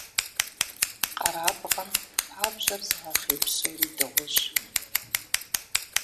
Къэрабгъэм пабжьэр зыгъэхъей псори дыгъужь.